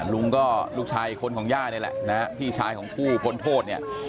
ลุงก็ลูกชายคนของย่านี่แหละนะฮะพี่ชายของผู้พ้นโทษเนี่ย